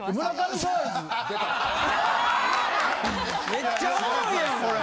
・めっちゃおもろいやんこれ。